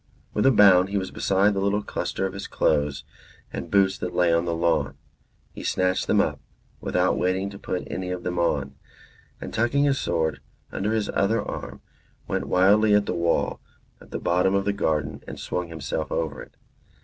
With a bound he was beside the little cluster of his clothes and boots that lay on the lawn; he snatched them up, without waiting to put any of them on; and tucking his sword under his other arm, went wildly at the wall at the bottom of the garden and swung himself over it.